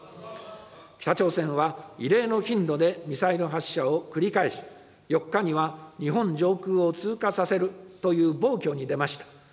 北朝鮮は異例の頻度でミサイル発射を繰り返し、４日には、日本上空を通過させるという暴挙に出ました。